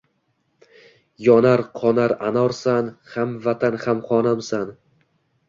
Yonar, qonar anorsan – hamvatan, hamxonasan.